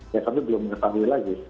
yang kami belum ketahui lagi